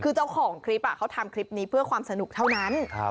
คือเจ้าของคลิปเขาทำคลิปนี้เพื่อความสนุกเท่านั้น